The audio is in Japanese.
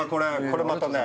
これまたね